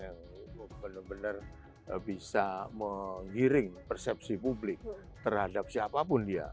yang benar benar bisa menggiring persepsi publik terhadap siapapun dia